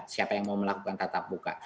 siapa yang mau melakukan tatap muka